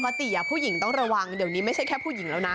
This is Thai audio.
ปกติผู้หญิงต้องระวังเดี๋ยวนี้ไม่ใช่แค่ผู้หญิงแล้วนะ